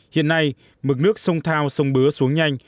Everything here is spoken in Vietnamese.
hiện nay mực nước sông thao sông bứa xuống nhanh